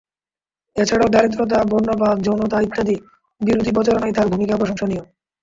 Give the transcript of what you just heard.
এছাড়াও, দারিদ্রতা, বর্ণবাদ, যৌনতা ইত্যাদি বিরোধী প্রচারণায় তার ভূমিকা প্রশংসনীয়।